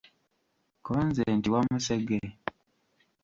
Ko nze nti Wamusege?